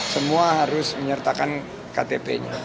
semua harus menyertakan ktp nya